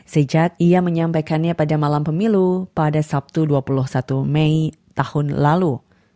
sejak ia menyampaikannya pada malam pemilu pada sabtu dua puluh satu mei tahun lalu